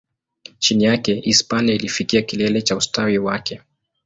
Chini yake, Hispania ilifikia kilele cha ustawi wake.